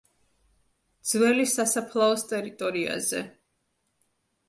ძველი სასაფლაოს ტერიტორიაზე.